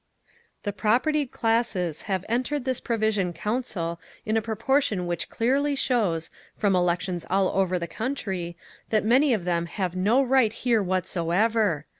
"The propertied classes have entered this Provision Council in a proportion which clearly shows, from elections all over the country, that many of them have no right here whatever.